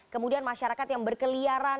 kemudian masyarakat yang berkeliaran